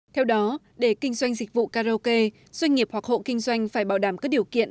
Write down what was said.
theo đó để kinh doanh dịch vụ karaoke doanh nghiệp hoặc hộ kinh doanh phải bảo đảm các điều kiện